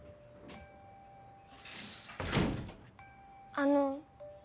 あの。